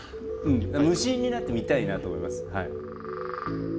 無心になって見たいなと思います。